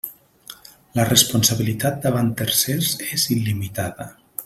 La responsabilitat davant tercers és il·limitada.